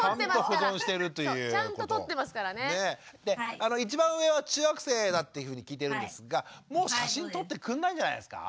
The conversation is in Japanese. で一番上は中学生だっていうふうに聞いてるんですがもう写真撮ってくんないんじゃないですか？